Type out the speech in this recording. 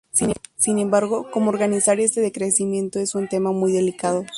Sin embargo, cómo organizar este decrecimiento es un tema muy delicado.